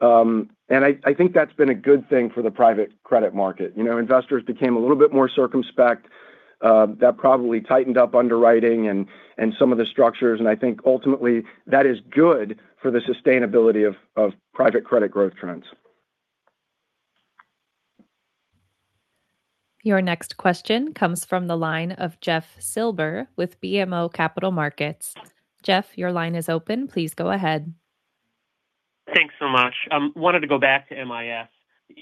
I think that's been a good thing for the private credit market. Investors became a little bit more circumspect. That probably tightened up underwriting and some of the structures, and I think ultimately that is good for the sustainability of private credit growth trends. Your next question comes from the line of Jeff Silber with BMO Capital Markets. Jeff, your line is open. Please go ahead. Thanks so much. Wanted to go back to MIS.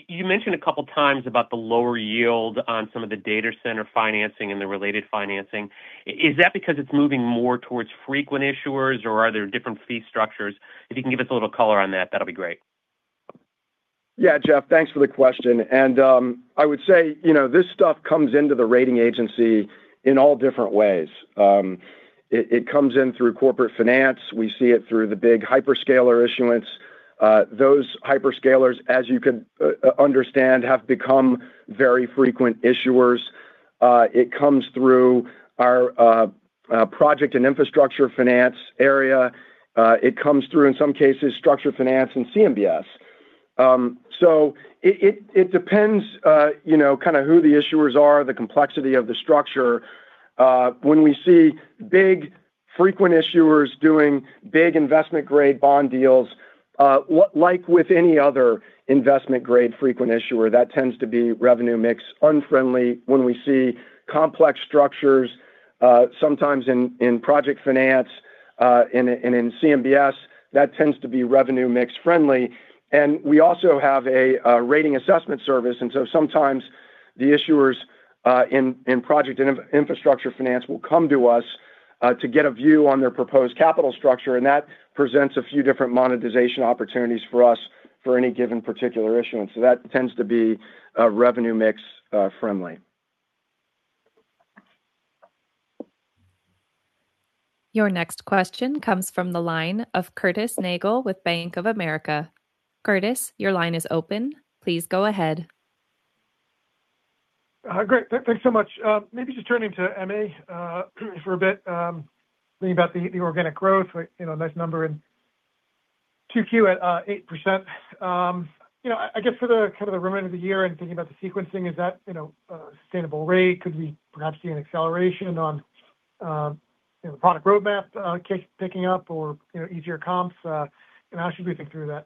You mentioned a couple of times about the lower yield on some of the data center financing and the related financing. Is that because it's moving more towards frequent issuers, or are there different fee structures? If you can give us a little color on that will be great. Yeah, Jeff, thanks for the question. I would say, this stuff comes into the rating agency in all different ways. It comes in through corporate finance. We see it through the big hyperscaler issuance. Those hyperscalers, as you can understand, have become very frequent issuers. It comes through our project and infrastructure finance area. It comes through, in some cases, structured finance and CMBS. It depends kind of who the issuers are, the complexity of the structure. When we see big frequent issuers doing big investment-grade bond deals, like with any other investment-grade frequent issuer, that tends to be revenue mix unfriendly. When we see complex structures, sometimes in project finance and in CMBS, that tends to be revenue mix friendly. We also have a rating assessment service, and sometimes the issuers in project and infrastructure finance will come to us to get a view on their proposed capital structure, and that presents a few different monetization opportunities for us for any given particular issuance. That tends to be revenue mix friendly. Your next question comes from the line of Curtis Nagle with Bank of America. Curtis, your line is open. Please go ahead. Great. Thanks so much. Maybe just turning to MA for a bit, thinking about the organic growth, nice number in 2Q at 8%. I guess for the kind of the remainder of the year and thinking about the sequencing, is that a sustainable rate? Could we perhaps see an acceleration on the product roadmap case picking up or easier comps? How should we think through that?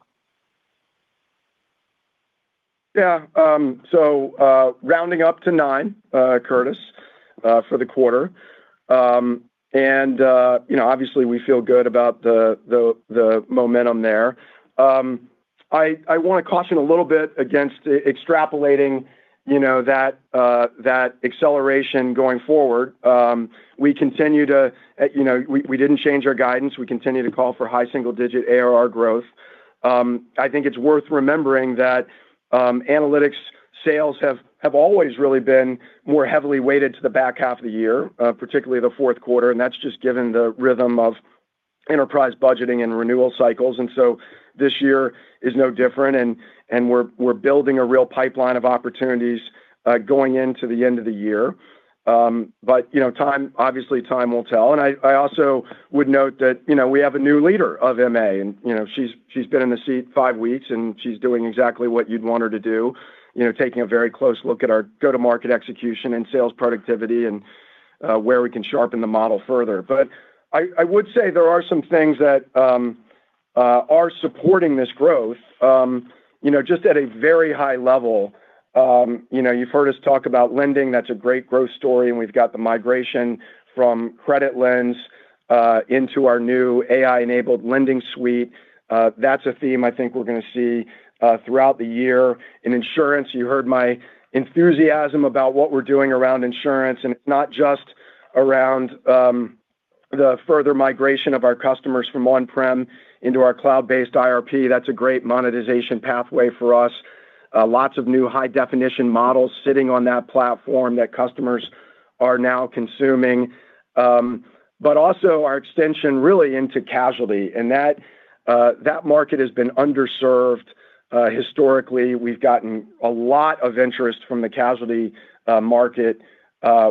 Yeah. Rounding up to nine, Curtis, for the quarter. Obviously we feel good about the momentum there. I want to caution a little bit against extrapolating that acceleration going forward. We didn't change our guidance. We continue to call for high single-digit ARR growth. I think it's worth remembering that analytics sales have always really been more heavily weighted to the back half of the year, particularly the fourth quarter, that's just given the rhythm of enterprise budgeting and renewal cycles, this year is no different, and we're building a real pipeline of opportunities going into the end of the year. Obviously, time will tell. I also would note that we have a new leader of MA, she's been in the seat five weeks, and she's doing exactly what you'd want her to do. Taking a very close look at our go-to-market execution and sales productivity and where we can sharpen the model further. I would say there are some things that are supporting this growth. Just at a very high level, you've heard us talk about lending. That's a great growth story, and we've got the migration from CreditLens into our new AI-enabled Lending Suite. That's a theme I think we're going to see throughout the year. In insurance, you heard my enthusiasm about what we're doing around insurance, and it's not just around the further migration of our customers from on-prem into our cloud-based IRP. That's a great monetization pathway for us. Lots of new high-definition models sitting on that platform that customers are now consuming. Also our extension really into casualty, and that market has been underserved historically. We've gotten a lot of interest from the casualty market.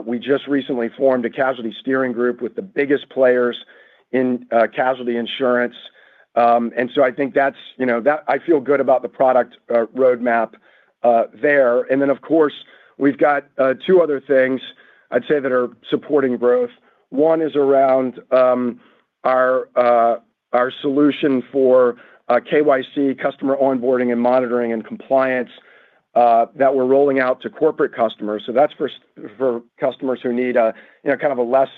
We just recently formed a casualty steering group with the biggest players in casualty insurance. I think I feel good about the product roadmap there. Of course, we've got two other things I'd say that are supporting growth. One is around our solution for KYC customer onboarding and monitoring, and compliance that we're rolling out to corporate customers. That's for customers who need kind of a less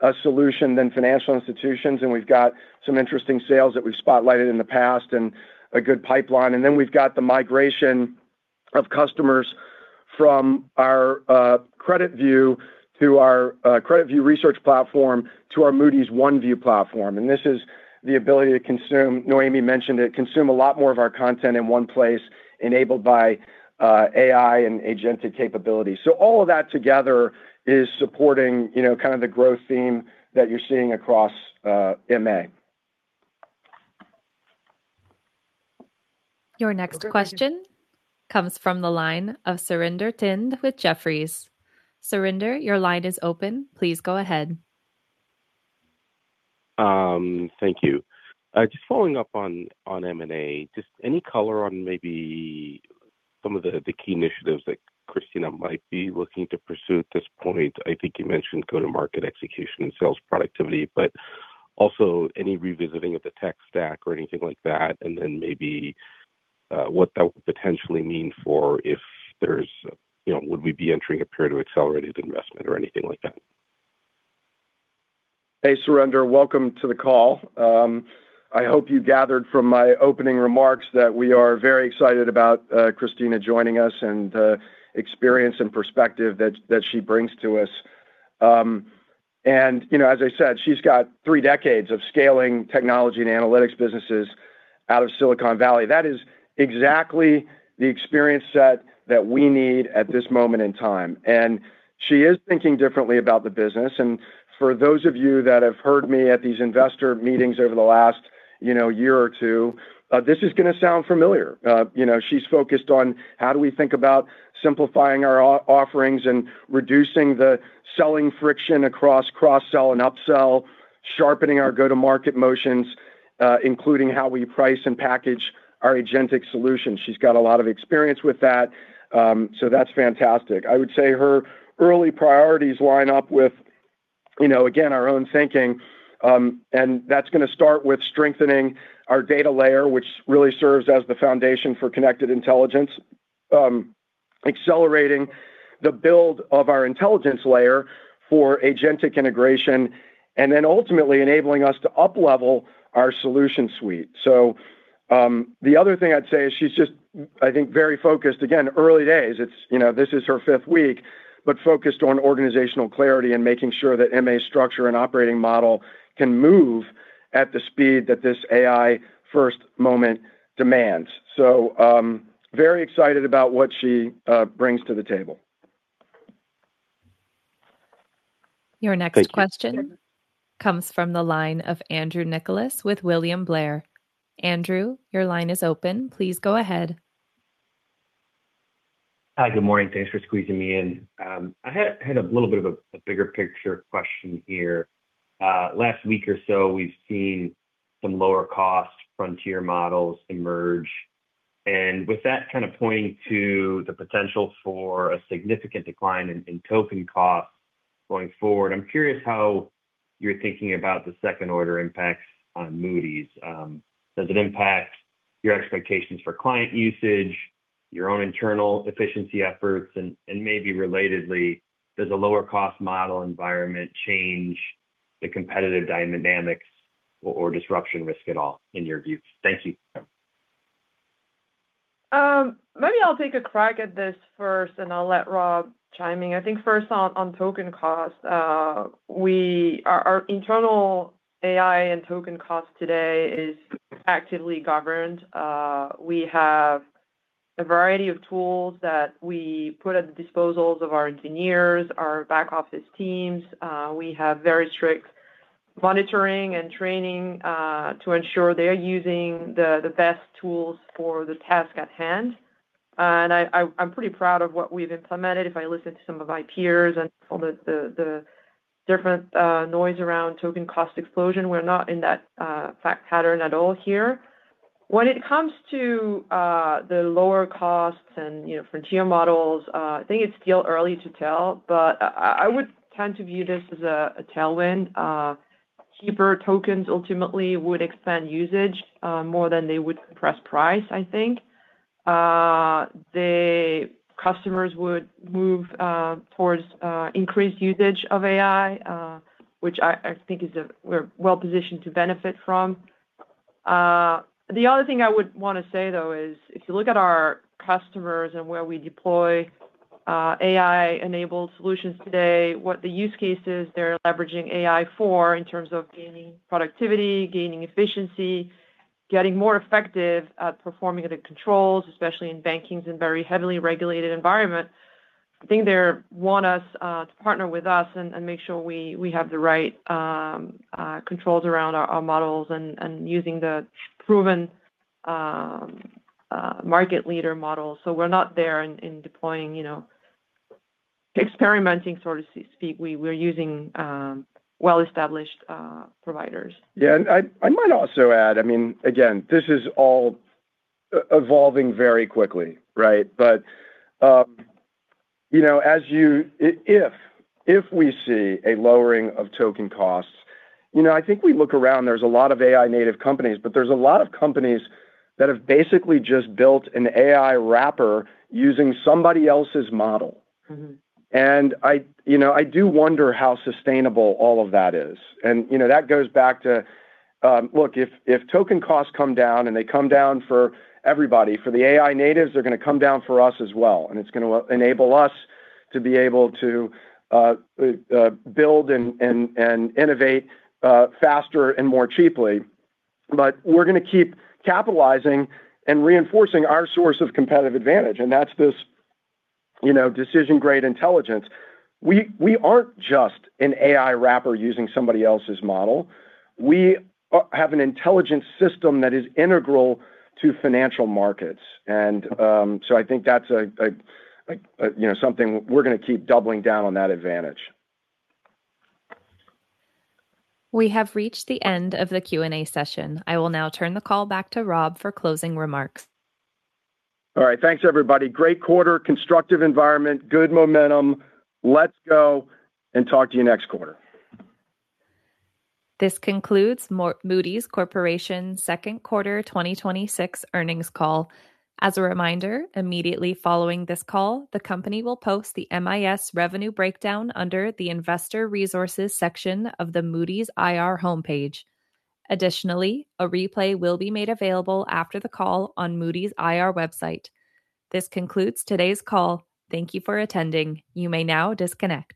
heavy-duty solution than financial institutions, and we've got some interesting sales that we've spotlighted in the past and a good pipeline. We've got the migration of customers from our CreditView to our CreditView research platform to our Moody's OneView platform. This is the ability to consume, Noémie mentioned it, consume a lot more of our content in one place enabled by AI and agentic capability. All of that together is supporting kind of the growth theme that you're seeing across MA. Your next question comes from the line of Surinder Thind with Jefferies. Surinder, your line is open. Please go ahead. Thank you. Just following up on M&A, just any color on maybe some of the key initiatives that Christina might be looking to pursue at this point? I think you mentioned go-to-market execution and sales productivity, but also any revisiting of the tech stack or anything like that, and then maybe what that would potentially mean for would we be entering a period of accelerated investment or anything like that? Hey, Surinder. Welcome to the call. I hope you gathered from my opening remarks that we are very excited about Christina joining us and the experience and perspective that she brings to us. As I said, she's got three decades of scaling technology and analytics businesses out of Silicon Valley. That is exactly the experience set that we need at this moment in time. She is thinking differently about the business. For those of you that have heard me at these investor meetings over the last year or two, this is going to sound familiar. She's focused on how do we think about simplifying our offerings and reducing the selling friction across cross-sell and up-sell, sharpening our go-to-market motions, including how we price and package our Agentic solution. She's got a lot of experience with that's fantastic. I would say her early priorities line up with, again, our own thinking, that's going to start with strengthening our data layer, which really serves as the foundation for Connected Intelligence. Accelerating the build of our intelligence layer for Agentic integration, ultimately enabling us to uplevel our solution suite. The other thing I'd say is she's just, I think, very focused. Again, early days. This is her fifth week, but focused on organizational clarity and making sure that MA structure and operating model can move at the speed that this AI-first moment demands. Very excited about what she brings to the table. Thank you. Your next question comes from the line of Andrew Nicholas with William Blair. Andrew, your line is open. Please go ahead. Hi, good morning. Thanks for squeezing me in. I had a little bit of a bigger picture question here. Last week or so, we've seen some lower-cost frontier models emerge, and with that kind of pointing to the potential for a significant decline in token costs going forward, I'm curious how you're thinking about the second-order impacts on Moody's. Does it impact your expectations for client usage, your own internal efficiency efforts, and maybe relatedly, does a lower-cost model environment change the competitive dynamics or disruption risk at all in your view? Thank you. Maybe I'll take a crack at this first, I'll let Rob chime in. I think first on token cost, our internal AI and token cost today is actively governed. We have a variety of tools that we put at the disposals of our engineers, our back office teams. We have very strict monitoring and training to ensure they're using the best tools for the task at hand. I'm pretty proud of what we've implemented. If I listen to some of my peers and all the different noise around token cost explosion, we're not in that fact pattern at all here. When it comes to the lower costs and frontier models, I think it's still early to tell, I would tend to view this as a tailwind. Cheaper tokens ultimately would expand usage more than they would compress price, I think. The customers would move towards increased usage of AI, which I think we're well-positioned to benefit from. The other thing I would want to say, though, is if you look at our customers and where we deploy AI-enabled solutions today, what the use cases they're leveraging AI for in terms of gaining productivity, gaining efficiency, getting more effective at performing the controls, especially in banking and very heavily regulated environment, I think they want to partner with us and make sure we have the right controls around our models and using the proven market leader model. We're not there in deploying, experimenting, so to speak. We're using well-established providers. Yeah, I might also add, again, this is all evolving very quickly, right? If we see a lowering of token costs, I think we look around, there's a lot of AI native companies, but there's a lot of companies that have basically just built an AI wrapper using somebody else's model. I do wonder how sustainable all of that is. That goes back to, look, if token costs come down and they come down for everybody, for the AI natives, they're going to come down for us as well, and it's going to enable us to be able to build and innovate faster and more cheaply. We're going to keep capitalizing and reinforcing our source of competitive advantage, and that's this decision-grade intelligence. We aren't just an AI wrapper using somebody else's model. We have an intelligent system that is integral to financial markets. I think that's something we're going to keep doubling down on that advantage. We have reached the end of the Q&A session. I will now turn the call back to Rob for closing remarks. All right. Thanks, everybody. Great quarter, constructive environment, good momentum. Let's go, and talk to you next quarter. This concludes Moody's Corporation second quarter 2026 earnings call. As a reminder, immediately following this call, the company will post the MIS revenue breakdown under the investor resources section of the Moody's IR homepage. Additionally, a replay will be made available after the call on Moody's IR website. This concludes today's call. Thank you for attending. You may now disconnect.